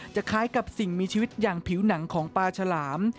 คล้ายกับสิ่งมีชีวิตอย่างผิวหนังของปลาฉลาม